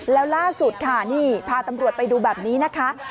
แล้วล่าสุดค่ะนี่พาตำรวจไปดูแบบนี้นะคะ